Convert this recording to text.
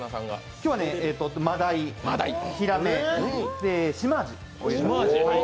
今日はマダイ、ひらめ、しまあじ。